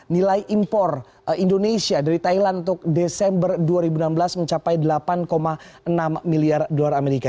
nilai impor indonesia dari thailand untuk desember dua ribu enam belas mencapai delapan enam miliar dolar amerika